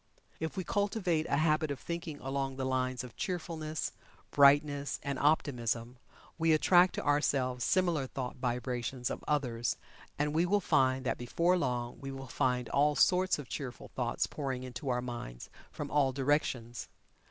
If we cultivate a habit of thinking along the lines of Cheerfulness, Brightness and Optimism, we attract to ourselves similar thought vibrations of others and we will find that before long we will find all sorts of cheerful thoughts pouring into our minds from all directions.